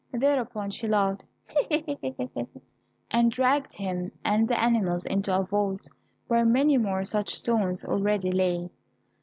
Thereupon she laughed, and dragged him and the animals into a vault, where many more such stones already lay.